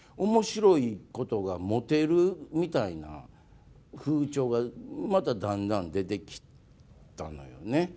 面白いことがモテるみたいな風潮がまただんだん出てきたのよね。